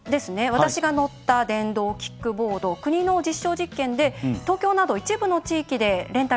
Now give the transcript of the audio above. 私が乗った電動キックボード国の実証実験で東京など一部の地域でレンタルすることができます。